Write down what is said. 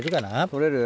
取れる？